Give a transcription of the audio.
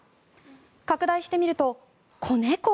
拡大してみると、子猫。